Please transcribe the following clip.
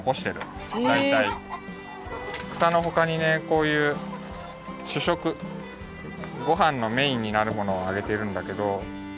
くさのほかにねこういうしゅしょくごはんのメインになるものをあげているんだけど。